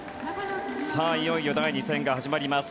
いよいよ第２戦が始まります。